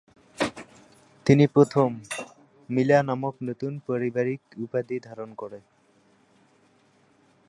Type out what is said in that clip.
তিনি প্রথম মি-লা নামক নতুন পারিবারিক উপাধি ধারণ করেন।